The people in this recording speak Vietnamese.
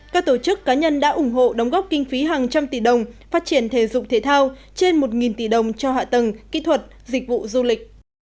các tổ chức cá nhân đã ủng hộ đóng góp kinh phí hàng trăm tỷ đồng phát triển thể dục thể thao trên một tỷ đồng cho hạ tầng kỹ thuật dịch vụ du lịch